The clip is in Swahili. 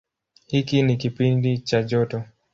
Hiki ni kipindi cha joto.